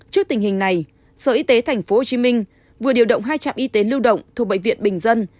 trước tình hình này sở y tế tp hcm vừa điều động hai trạm y tế lưu động thuộc bệnh viện bình dân